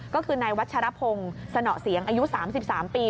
ก็คือในวัดชรพงศ์สนเหาะเสียงอายุ๓๓ปี